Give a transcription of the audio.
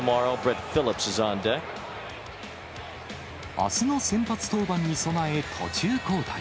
あすの先発登板に備え、途中交代。